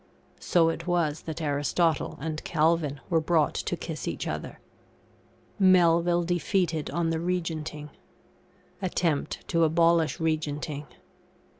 So it was that Aristotle and Calvin were brought to kiss each other. [MELVILLE DEFEATED ON THE REGENTING.] ATTEMPT TO ABOLISH REGENTING.